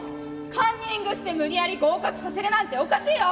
カンニングして無理やり合格させるなんておかしいよ！」。